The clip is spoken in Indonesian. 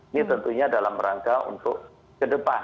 ini tentunya dalam rangka untuk kedepan